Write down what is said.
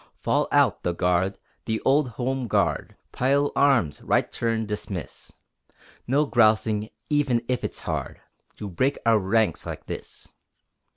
Fall out, the guard! The old home guard! Pile arms! Right turn! Dismiss! No grousing, even if it's hard To break our ranks like this.